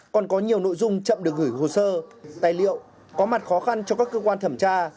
còn có nhiều nội dung chậm được gửi hồ sơ tài liệu có mặt khó khăn cho các cơ quan thẩm tra